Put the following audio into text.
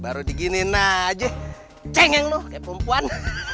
baru diginiin aja cengeng loh kayak perempuan